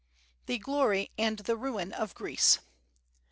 THE GLORY AND THE RUIN OF GREECE.